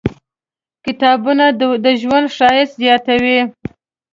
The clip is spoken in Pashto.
کتابونه د ژوند ښایست زیاتوي.